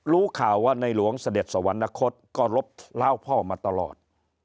รู้ข่าวว่าในหลวงเสด็จสวรรคตก็ลบล้าวพ่อมาตลอด